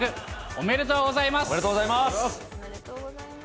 おめでとうございます。